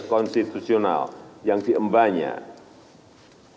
konstitusional yang diembanjakan